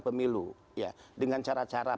pemilu dengan cara cara